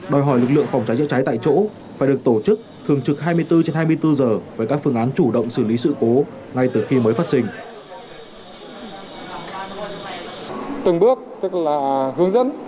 đòi hỏi lực lượng phòng cháy chữa cháy tại chỗ phải được tổ chức thường trực hai mươi bốn trên hai mươi bốn giờ với các phương án chủ động xử lý sự cố ngay từ khi mới phát sinh